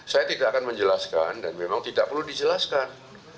saya tidak akan menjelaskan dan memang tidak perlu dijelaskan